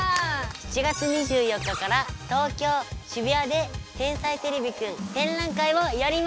７月２４日から東京渋谷で「天才てれびくん」展覧会をやります！